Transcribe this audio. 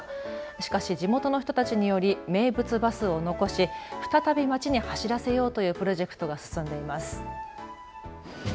しかし地元の人たちにより名物バスを残し再び町に走らせようというプロジェクトが進んでいます。